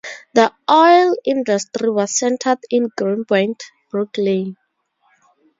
The oil industry was centered in Greenpoint, Brooklyn.